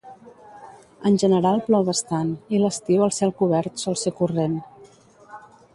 En general plou bastant i l'estiu el cel cobert sol ser corrent.